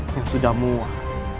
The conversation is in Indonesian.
yang sudah muak